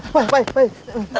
pak pak pak